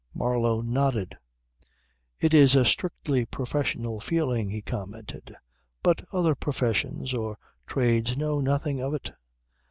Marlow nodded. "It is a strictly professional feeling," he commented. "But other professions or trades know nothing of it.